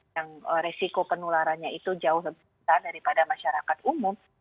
yang resiko penularannya itu jauh lebih besar daripada masyarakat umum